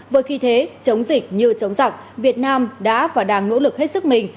với khi thế chống dịch như chống giặc việt nam đã và đang nỗ lực hết sức mình